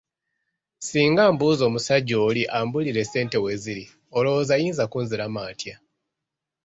Singa mbuuza omusajja oli ambuulire ssente we ziri, olowooza ayinza kunziramu atya?